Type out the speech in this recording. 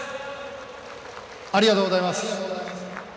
ありがとうございます。